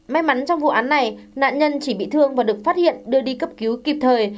may mắn trong vụ án này nạn nhân chỉ bị thương và được phát hiện đưa đi cấp cứu kịp thời